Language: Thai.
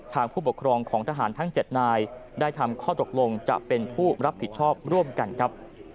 ผู้ปกครองของทหารทั้ง๗นายได้ทำข้อตกลงจะเป็นผู้รับผิดชอบร่วมกันครับ